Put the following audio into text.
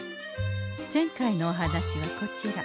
前回のお話はこちら。